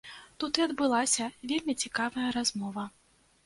Тут і адбылася вельмі цікавая размова.